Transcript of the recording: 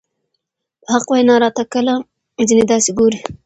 په حق وېنا راته تکله ځينې داسې ګوري